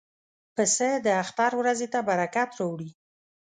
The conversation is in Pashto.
پسه د اختر ورځې ته برکت راوړي.